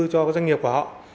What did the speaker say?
cho doanh nghiệp của họ